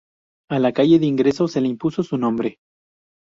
A la calle de ingreso se le impuso su nombre.